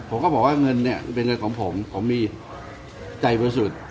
ผมก็บอกว่าเงินเนี่ยเป็นเงินของผมผมมีใจบริสุทธิ์